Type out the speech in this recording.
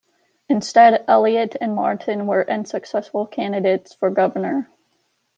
Instead, Elliott and Martin were unsuccessful candidates for governor.